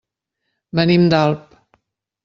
Venim d'Alp.